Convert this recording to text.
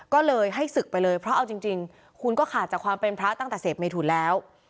ก็เลยให้ศึกไปเลยเพราะเอาจริงคุณก็ขาดจากความเป็นพระตั้งแต่เสพเมทุนแล้ว